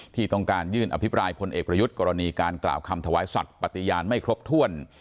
ที่ต้องการยื่นอภิปรายพลเอกประยุทธ์กรณีการกล่าวคำถวายสัตว์ปฏิญาณไม่ครบถ้วน